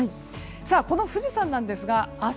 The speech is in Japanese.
この富士山ですが明日